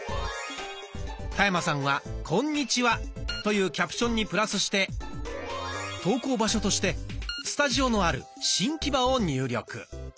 田山さんは「こんにちは」というキャプションにプラスして投稿場所としてスタジオのある新木場を入力。